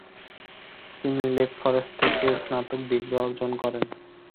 তিনি Lake Forest College থেকে স্নাতক ডিগ্রী অর্জন করেন।